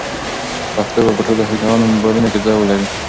پښتو به په ټولو هوښیارانو موبایلونو کې ځای ولري.